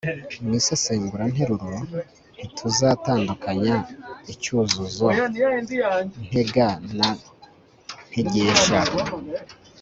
mu isesenguranteruro ntituzatandukanya icyuzuzo ntega na ntegesha